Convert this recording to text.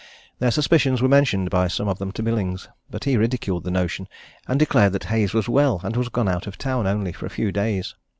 Their suspicions were mentioned by some of them to Billings, but he ridiculed the notion, and declared that Hayes was well, and was gone out of town only for a few days.